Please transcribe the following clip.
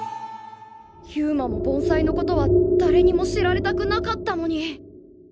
勇馬も盆栽のことはだれにも知られたくなかったのに。